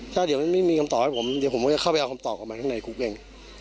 ถ้าเดี๋ยวมันไม่มีคำตอบให้ผมเดี๋ยวผมก็จะเข้าไปเอาคำตอบออกมาข้างในคุกเอง